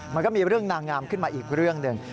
มันก็มีเรื่องนางงามขึ้นมาอีกเรื่องหนึ่ง